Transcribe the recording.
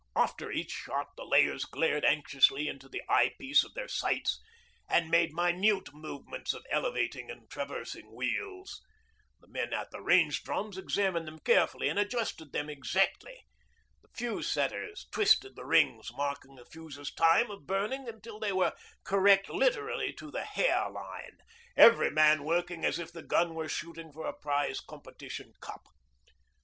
After each shot the layers glared anxiously into the eye piece of their sights and made minute movements of elevating and traversing wheels, the men at the range drums examined them carefully and readjusted them exactly, the fuse setters twisted the rings marking the fuse's time of burning until they were correct literally to a hair line; every man working as if the gun were shooting for a prize competition cup.